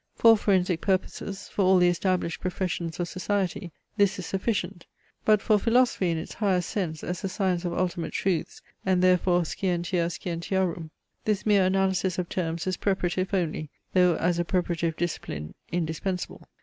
For forensic purposes, for all the established professions of society, this is sufficient. But for philosophy in its highest sense as the science of ultimate truths, and therefore scientia scientiarum, this mere analysis of terms is preparative only, though as a preparative discipline indispensable.